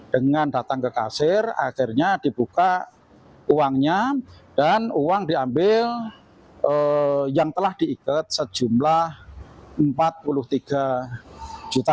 dengan datang ke kasir akhirnya dibuka uangnya dan uang diambil yang telah diikat sejumlah rp empat puluh tiga juta